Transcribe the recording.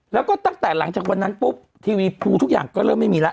แล้วก็ตั้งแต่หลังจากวันนั้นปุ๊บทีวีภูทุกอย่างก็เริ่มไม่มีแล้ว